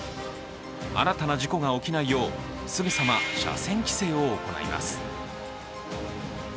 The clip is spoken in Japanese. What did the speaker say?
新たな事故が起きないようすぐさま車線規制を行います。